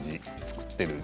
作ってる。